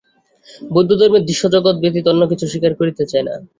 বৌদ্ধধর্ম দৃশ্য জগৎ ব্যতীত অন্য কিছু স্বীকার করিতে চায় না।